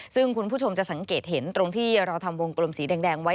ซึ่งคุณผู้ชมจะสังเกตเห็นตรงที่เราทำวงกลมสีแดงไว้